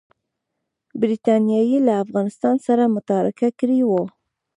برټانیې له افغانستان سره متارکه کړې وه.